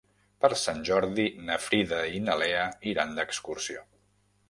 Per Sant Jordi na Frida i na Lea iran d'excursió.